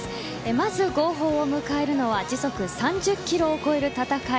まず号砲を迎えるのは時速３０キロを超える戦い